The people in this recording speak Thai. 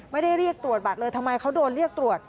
ไม่ได้เรียกตรวจบัตรเลยทำไมเขาโดนเรียกตรวจ